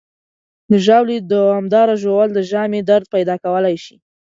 د ژاولې دوامداره ژوول د ژامې درد پیدا کولی شي.